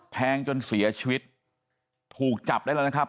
แทงจนเสียชีวิตถูกจับได้แล้วนะครับ